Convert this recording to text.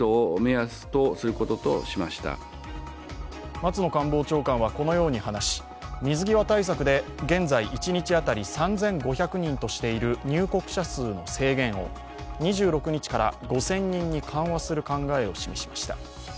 松野官房長官はこのように話し水際対策で現在、一日当たり３５００人としている入国者数の制限を２６日から５０００人に緩和する考えを示しました。